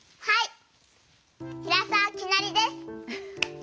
はい。